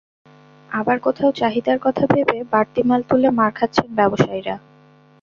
আবার কোথাও চাহিদার কথা ভেবে বাড়তি মাল তুলে মার খাচ্ছেন ব্যবসায়ীরা।